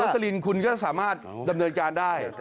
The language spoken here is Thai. คุณลักษณีย์คุณก็สามารถดำเนินการได้